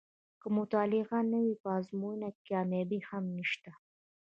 که مطالعه نه وي په ازموینو کې کامیابي هم نشته.